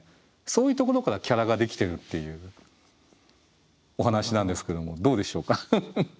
そういうところからキャラができてるっていうお話なんですけどもどうでしょうか？